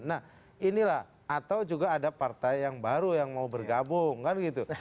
nah inilah atau juga ada partai yang baru yang mau bergabung kan gitu